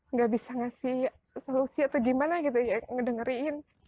nggak bisa ngasih solusi atau gimana gitu ya ngedengerin